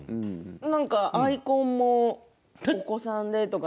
アイコンもお子さんでという。